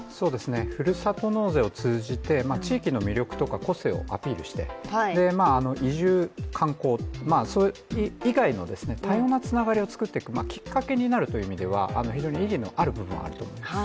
ふるさと納税を通じて、地域の魅力とか個性をアピールして、移住、観光以外の多様なつながりをつくっていくきっかけになるという意味では非常に意義のある部分はあると思います。